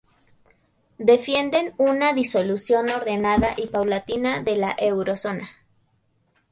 Defienden una disolución ordenada y paulatina de la Eurozona.